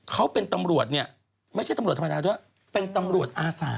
เขาเป็นตำรวจเนี่ยไม่ใช่ตำรวจธรรมดาด้วยเป็นตำรวจอาสา